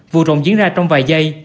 vụ trộn diễn ra trong vài giây